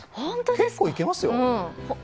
結構いけますよ。